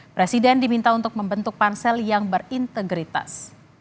presiden diminta untuk membentuk pansel yang berintegritas